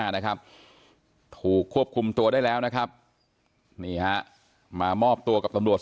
นะครับถูกควบคุมตัวได้แล้วนะครับนี่ฮะมามอบตัวกับตำรวจ